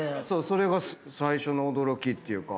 それが最初の驚きっていうか。